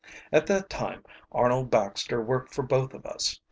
"At that time Arnold Baxter worked for both of us.